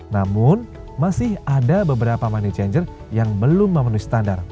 namun masih ada beberapa money changer yang belum memenuhi standar